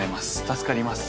助かります。